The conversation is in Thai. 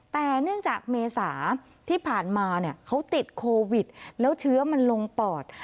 แต่เนื่องจากเมษาที่ผ่านมาเขาติดโควิดแล้วเชื้อมันลงปอด